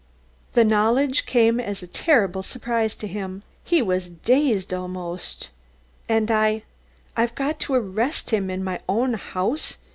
The knowledge came as a terrible surprise to him. He was dazed almost. "And I, I've got to arrest him in my own house?"